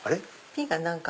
「ぴ」が何か。